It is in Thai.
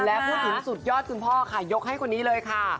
และพูดถึงสุดยอดคุณพ่อค่ะยกให้คนนี้เลยค่ะ